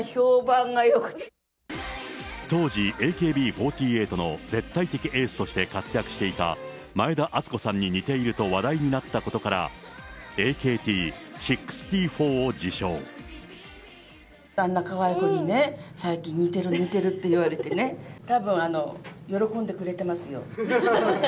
当時、ＡＫＢ４８の絶対的エースとして活躍していた前田敦子さんに似ていると話題になったことから、あんなかわいい子にね、最近、似てる似てるって言われてね、たぶん、喜んでくれてますよ。